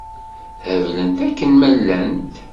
Heblent akken ma llant.